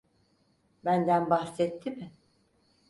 Benden bahsetti mi?